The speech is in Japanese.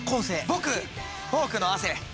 僕フォークの亜生！